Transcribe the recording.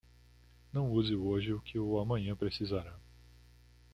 Não use hoje o que o amanhã precisará.